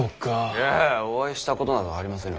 いやお会いしたことなどありませぬ。